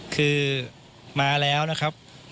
คือมาแล้วนะครับ